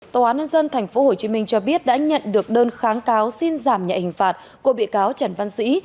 tòa án nhân dân tp hcm cho biết đã nhận được đơn kháng cáo xin giảm nhạy hình phạt của bị cáo trần văn sĩ